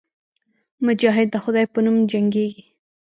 مجاهد د خدای په نوم جنګېږي.